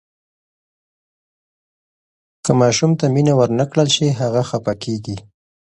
که ماشوم ته مینه ورنکړل شي، هغه خفه کیږي.